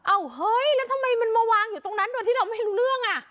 เฮ้ยแล้วทำไมมันมาวางอยู่ตรงนั้นโดยที่เราไม่รู้เรื่องอ่ะ